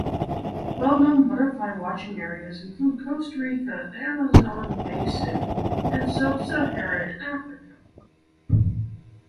Well-known butterfly-watching areas include Costa Rica, the Amazon Basin, and sub-Saharan Africa.